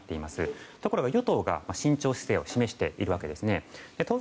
ところが与党が慎重姿勢を示しているんですね。